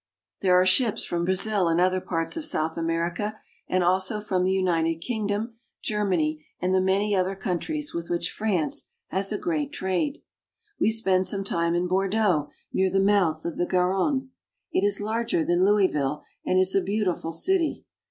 There are ships from Brazil and other parts of South America, and also from the United Kingdom, Germany, and the many other coun tries with which France has a great trade. "We spend some time in Bordeaux." We spend some time in Bordeaux, near the mouth of the Garonne. It is larger than Louisville and is a beau tiful city.